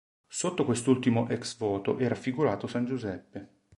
Sotto quest’ultimo “"ex voto”" è raffigurato San Giuseppe.